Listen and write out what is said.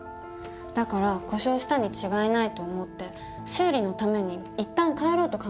だから故障したに違いないと思って修理のために一旦帰ろうと考えたの。